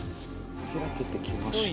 開けてきました。